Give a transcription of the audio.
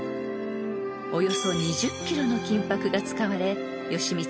［およそ２０ｋｇの金箔が使われ義満が］